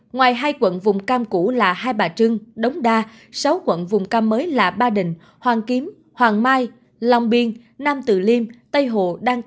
ngoài hai quận vùng cam cũ là hai bà trưng đống đa sáu quận vùng cam mới là ba đình hoàng kiếm hoàng mai lòng biên nam tự liêm tây hộ